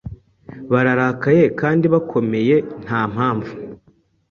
bararakaye kandi bakomeye Ntampamvu